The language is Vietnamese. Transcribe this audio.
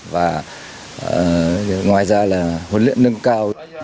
và ngoài ra là huấn luyện nâng cao